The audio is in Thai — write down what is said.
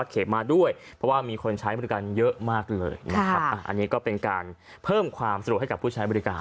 มาด้วยเพราะว่ามีคนใช้บริการเยอะมากเลยนะครับอันนี้ก็เป็นการเพิ่มความสะดวกให้กับผู้ใช้บริการ